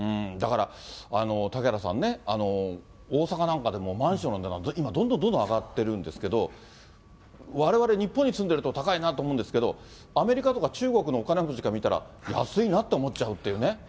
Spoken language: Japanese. だから、嵩原さんね、大阪なんかでも、マンションの値段、今、どんどんどんどん上がってるんですけど、われわれ、日本に住んでると高いなと思うんですけど、アメリカとか中国のお金持ちから見たら、安いなって思っちゃうっていうね。